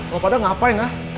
lo pada ngapain ah